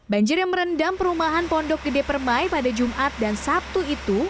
banjir yang merendam perumahan pondok gede permai pada jumat dan sabtu itu